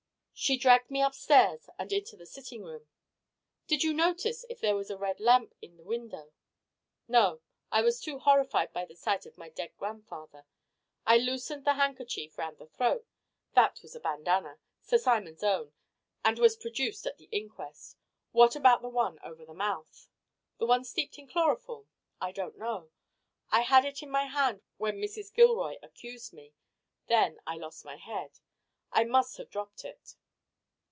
She dragged me upstairs and into the sitting room " "Did you notice if there was a red lamp in the window?" "No. I was too horrified by the sight of my dead grandfather. I loosened the handkerchief round the throat " "That was a bandana, Sir Simon's own, and was produced at the inquest. What about the one over the mouth?" "The one steeped in chloroform? I don't know. I had it in my hand when Mrs. Gilroy accused me. Then I lost my head. I must have dropped it."